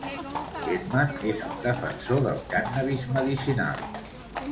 Gettman és un defensor del cànnabis medicinal.